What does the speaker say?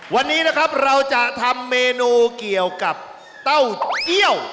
วันนี้นะครับเราจะทำเมนูเกี่ยวกับเต้าเจี้ยว